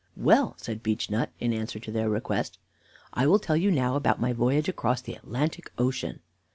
"Well," said Beechnut, in answer to their request, "I will tell you now about my voyage across the Atlantic Ocean."